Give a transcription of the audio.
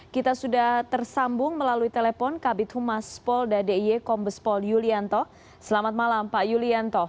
kita sudah tersambung melalui telepon kabit humas polda d i e kombes pol yulianto selamat malam pak yulianto